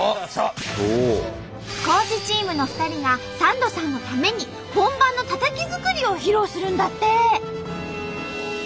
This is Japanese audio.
高知チームの２人がサンドさんのために本場のタタキ作りを披露するんだって！